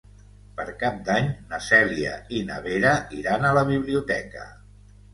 Per Cap d'Any na Cèlia i na Vera iran a la biblioteca.